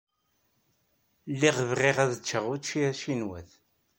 Lliɣ bɣiɣ ad ččeɣ učči acinwat.